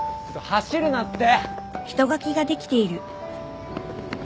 走るなって。